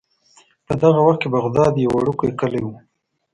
په دغه وخت کې بغداد یو وړوکی کلی و.